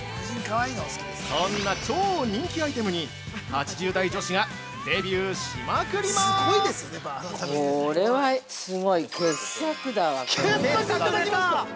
そんな超人気アイテムに８０代女子がデビューしまくりまーす！